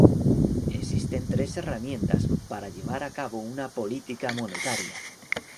Existen tres herramientas para llevar a cabo una política monetaria.